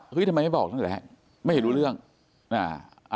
เฮ้ยทำไมไม่บอกแล้วแหละไม่เห็นรู้เรื่องอ่า